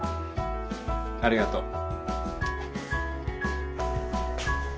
ありがとう。